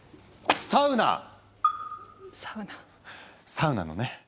サウナのね